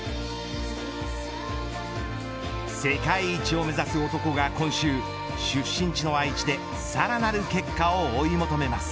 世界一を目指す男が今週出身地の愛知でさらなる結果を追い求めます。